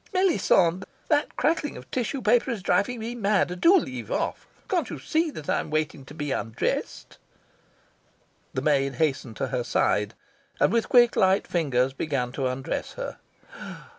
"Melisande, that crackling of tissue paper is driving me mad! Do leave off! Can't you see that I am waiting to be undressed?" The maid hastened to her side, and with quick light fingers began to undress her.